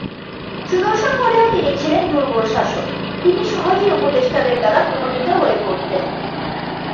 সুদর্শন হলেও তিনি ছিলেন দূর্বল শাসক, তিনি সহজেই উপদেষ্টাদের দ্বারা প্রভাবিত হয়ে পরতেন।